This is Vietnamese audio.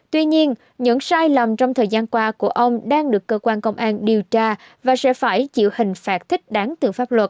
tuy nhiên những sai lầm trong thời gian qua của ông đang được cơ quan công an điều tra và sẽ phải chịu hình phạt thích đáng từ pháp luật